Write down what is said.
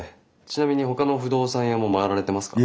ちなみにほかの不動産屋も回られてますか？